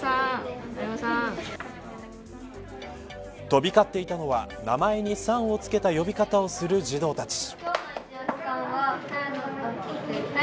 飛び交っていたのは名前にさんをつけた呼び方をする児童たち。